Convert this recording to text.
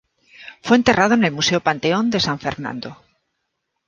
Fue enterrado en el Museo Panteón de San Fernando.